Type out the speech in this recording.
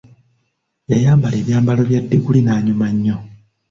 Yayambala ebyambalo bya diguli n'anyuma nnyo.